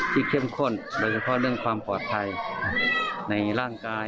ที่เข้มข้นโดยเฉพาะเรื่องความปกครองในร่างกาย